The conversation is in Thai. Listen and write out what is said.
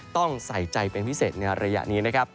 ต้องใส่ใจเป็นพิเศษในระยะนี้นะครับ